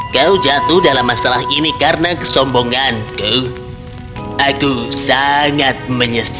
kau jatuh dalam masalah ini karena kesombonganku class